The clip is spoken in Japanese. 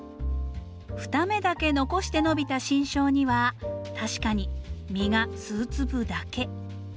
２芽だけ残して伸びた新梢には確かに実が数粒だけ。